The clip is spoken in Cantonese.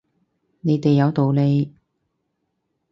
你哋有道理